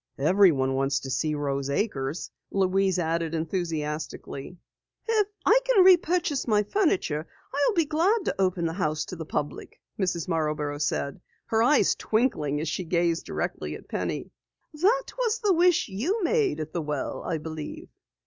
"Everyone wants to see Rose Acres," Louise added enthusiastically. "If I can re purchase my furniture, I'll be glad to open the house to the public," Mrs. Marborough said, her eyes twinkling as she gazed directly at Penny. "That was the wish you made at the well, I believe?"